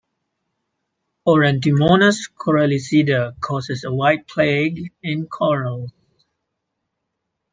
"Aurantimonas coralicida" causes a white plague in corals.